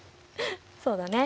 そうだね。